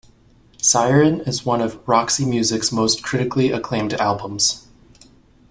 "Siren" is one of Roxy Music's most critically acclaimed albums.